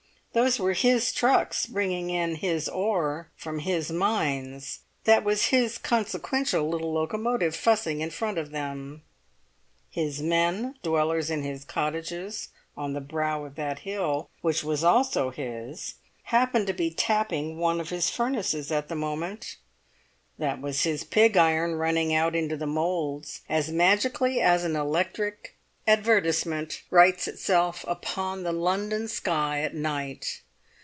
Those were his trucks bringing in his ore from his mines; that was his consequential little locomotive fussing in front of them. His men, dwellers in his cottages on the brow of that hill, which was also his, happened to be tapping one of his furnaces at the moment; that was his pig iron running out into the moulds as magically as an electric advertisement writes itself upon the London sky at night.